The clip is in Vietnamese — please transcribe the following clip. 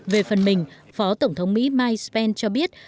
về phần mình phó tổng thống mỹ mike spen cho biết